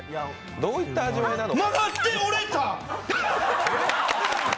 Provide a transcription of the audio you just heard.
どういった味わいなのか。